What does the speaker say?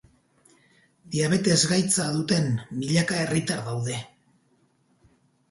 Diabetes gaitza duten milaka herritar daude.